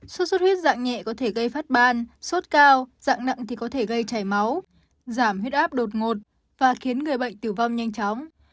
sốt xuất huyết dạng nhẹ có thể gây phát ban sốt cao dạng nặng thì có thể gây chảy máu giảm huyết áp đột ngột và khiến người bệnh tử vong nhanh chóng